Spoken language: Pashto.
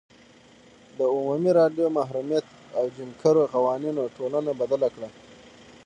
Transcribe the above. د عمومي رایو محرومیت او جیم کرو قوانینو ټولنه بدله کړه.